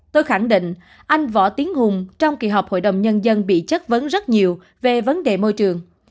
tôi khẳng định anh võ tiến hùng trong kỳ họp hội đồng nhân dân bị chất vấn rất nhiều về vấn đề môi trường